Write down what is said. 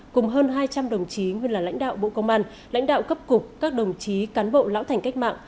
cùng hơn hai trăm linh đồng chí nguyên là lãnh đạo bộ công an lãnh đạo cấp cục các đồng chí cán bộ lão thành cách mạng